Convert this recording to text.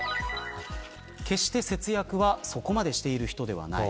節約はそこまでしている人ではない。